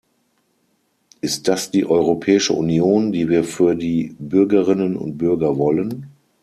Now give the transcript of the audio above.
Ist das die Europäische Union, die wir für die Bürgerinnen und Bürger wollen?